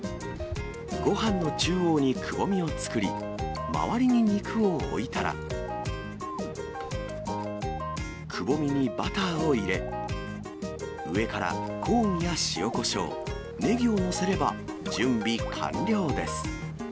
ごはんの中央にくぼみを作り、周りに肉を置いたら、くぼみにバターを入れ、上からコーンや塩こしょう、ネギを載せれば、準備完了です。